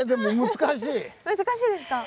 難しいですか。